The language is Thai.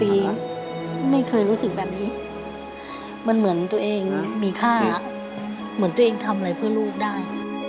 ๑๖ปีไม่เคยรู้สึกแบบนี้มันเหมือนตัวเองมีค่าเมื่อเป็นทำอะไรกับลูกได้